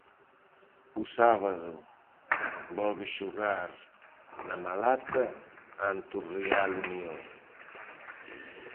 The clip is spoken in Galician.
O sábado volve xogar na Malata ante o Real Unión.